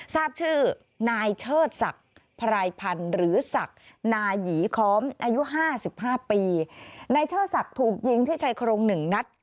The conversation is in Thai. ทราบชื่อนายเชิดศักดิ์พรายพันธ์หรือศักดิ์นายีค้อมอายุห้าสิบห้าปีนายเชิดศักดิ์ถูกยิงที่ชายโครงหนึ่งนัด